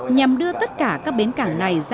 nhằm đưa tất cả các bến cảng nội địa